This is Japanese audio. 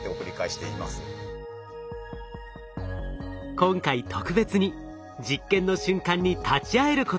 今回特別に実験の瞬間に立ち会えることに。